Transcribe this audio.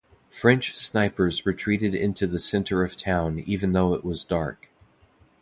French snipers retreated into the center of town even though it was dark.